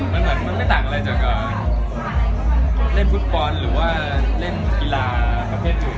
มันไม่ต่างอะไรจากเล่นฟุตบอลหรือว่าเล่นกีฬาเชิง